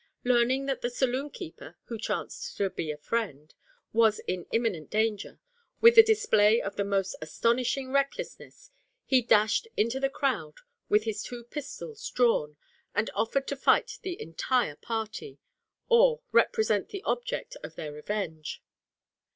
Learning that the saloon keeper who chanced to be a friend was in imminent danger, with the display of the most astonishing recklessness he dashed into the crowd with his two pistols drawn, and offered to fight the entire party, or represent the object of their revenge.